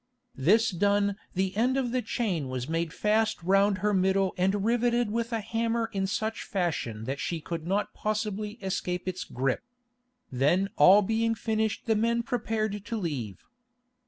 This done the end of the chain was made fast round her middle and riveted with a hammer in such fashion that she could not possibly escape its grip. Then all being finished the men prepared to leave.